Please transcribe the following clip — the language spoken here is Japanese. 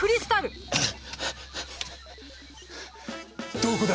どこだ？